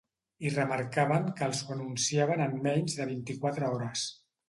I remarcaven que els ho anunciaven en menys de vint-i-quatre hores.